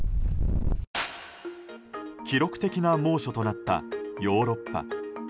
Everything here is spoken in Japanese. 記録的な猛暑となったヨーロッパ。